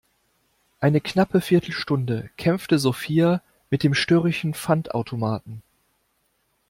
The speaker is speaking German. Eine knappe Viertelstunde kämpfte Sophia mit dem störrischen Pfandautomaten.